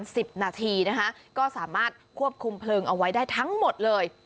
สิบนาทีนะคะก็สามารถควบคุมเพลิงเอาไว้ได้ทั้งหมดเลย